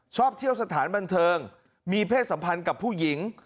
ชอบเที่ยวสถานบันเทิงมีเพศสัมพันธ์กับผู้หญิง